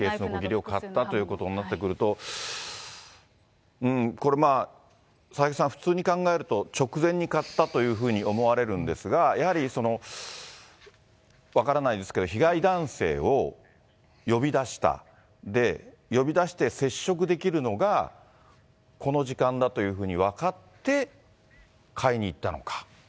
買ったということになってくると、これまあ、佐々木さん、普通に考えると、直前に買ったというふうに思われるんですが、やはり分からないですけど、被害男性を呼び出した、で、呼び出して接触できるのが、この時間だというふうに分かって買いに行ったのか。